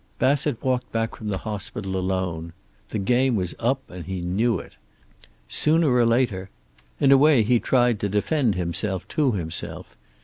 Bassett walked back from the hospital alone. The game was up and he knew it. Sooner or later In a way he tried to defend himself to himself.